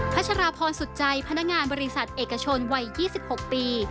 ัชราพรสุดใจพนักงานบริษัทเอกชนวัย๒๖ปี